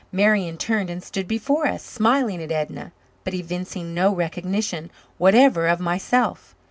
Marian turned and stood before us, smiling at Edna, but evincing no recognition whatever of myself.